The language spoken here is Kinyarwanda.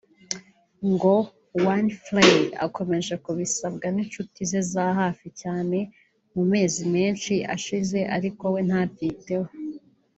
ngo Winfrey yakomeje kubisabwa n’inshuti ze za hafi cyane mu mezi menshi ashize ariko we ntabyiteho